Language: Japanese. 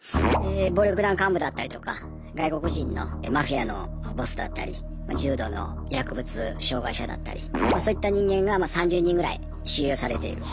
暴力団幹部だったりとか外国人のマフィアのボスだったり重度の薬物障害者だったりそういった人間が３０人ぐらい収容されている。